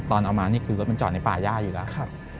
เอามานี่คือรถมันจอดในป่าย่าอยู่แล้ว